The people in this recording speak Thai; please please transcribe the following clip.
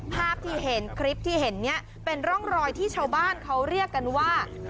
ภาพที่เห็นคลิปที่เห็นเนี่ยเป็นร่องรอยที่ชาวบ้านเขาเรียกกันว่า